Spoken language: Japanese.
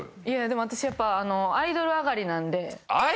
でも私やっぱアイドル上がりなんで。